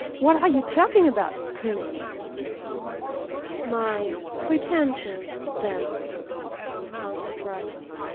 What are you talking about? Claims!" "My pretensions, then," answered Bryce.